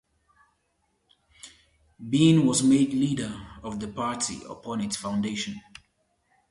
Bean was made leader of the party upon its foundation.